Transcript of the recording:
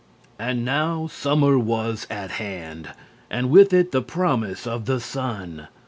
And now summer was at hand, and with it the promise of the sun.